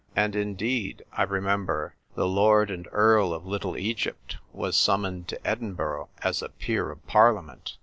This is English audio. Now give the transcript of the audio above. And, indeed, I remember the ' Lord and Earl of Little Egypt * was sum moned to Edinburgh as a peer of parliament."